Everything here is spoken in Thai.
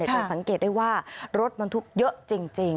จะสังเกตได้ว่ารถบรรทุกเยอะจริง